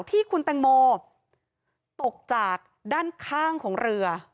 ที่คุณแตงโมตกจากด้านข้างของเรือ